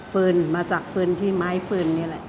ปืนมาจากปืนที่ไม้ปืนนี่แหละ